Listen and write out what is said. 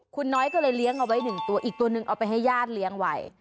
คุณน้อยก็เลยเลี้ยงเอาไว้หนึ่งตัวอีกตัวหนึ่งเอาไปให้ญาติเลี้ยงไว้